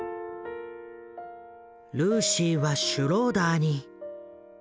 ルーシーはシュローダーに。